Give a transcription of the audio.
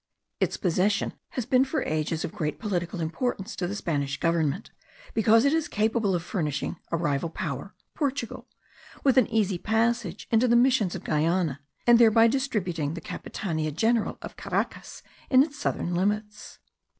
Its possession has been for ages of great political importance to the Spanish Government, because it is capable of furnishing a rival power, Portugal, with an easy passage into the missions of Guiana, and thereby disturbing the Capitania general of Caracas in its southern limits.